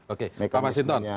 oke pak mas hinton